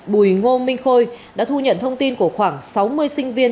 bùi ngô minh khôi đã thu nhận thông tin của khoảng sáu mươi sinh viên